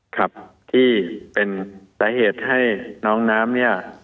ครับที่เป็นสาเหตุให้น้องน้ำเนี่ย